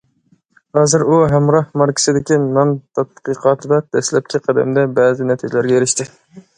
ھازىر ئۇ‹‹ ھەمراھ›› ماركىسىدىكى نان تەتقىقاتىدا دەسلەپكى قەدەمدە بەزى نەتىجىلەرگە ئېرىشتى.